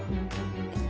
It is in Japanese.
えっ。